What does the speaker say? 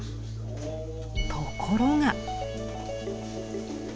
ところが。